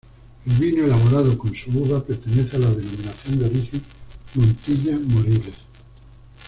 El vino elaborado con su uva pertenece a la Denominación de Origen Montilla-Moriles.